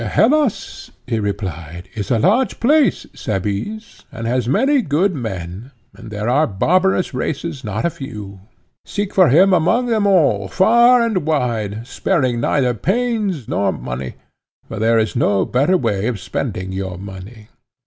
Hellas, he replied, is a large place, Cebes, and has many good men, and there are barbarous races not a few: seek for him among them all, far and wide, sparing neither pains nor money; for there is no better way of spending your money.